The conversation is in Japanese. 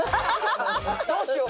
どうしよう。